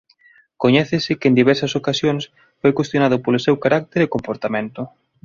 Coñécese que en diversas ocasións foi cuestionado polo seu carácter e comportamento.